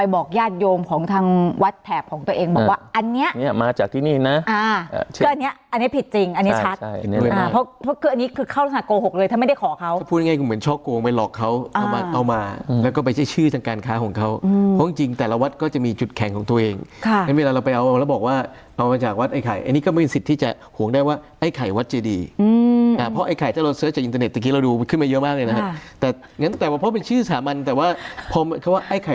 โหกเลยถ้าไม่ได้ขอเขาจะพูดง่ายง่ายคือเหมือนชอบโกงไปหลอกเขาอ่าเอามาอืมแล้วก็ไปใช้ชื่อทางการค้าของเขาอืมเพราะจริงจริงแต่ละวัดก็จะมีจุดแข็งของตัวเองค่ะนั้นเวลาเราไปเอาแล้วบอกว่าเอามาจากวัดไอ้ไข่อันนี้ก็ไม่มีสิทธิ์ที่จะหวงได้ว่าไอ้ไข่วัดเจดีอืมอ่าเพราะไอ้ไข่ถ้าเราเสิร์ชอบอิ